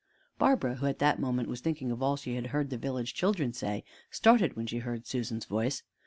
Barbara, who at that moment was thinking of all she had heard the village children say, started when she heard Susan's voice.